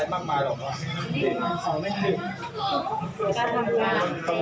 ใจเย็นพี่ใจเย็น